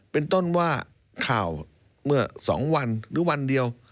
เป็นต้นว่าข่าวเมื่อ๒วันหรือวันเดียว